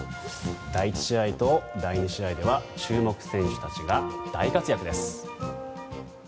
第１試合と第２試合では注目選手たちが大活躍です。